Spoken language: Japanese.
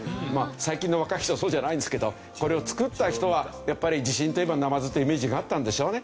最近の若い人はそうじゃないんですけどこれを作った人はやっぱり地震といえばナマズというイメージがあったんでしょうね。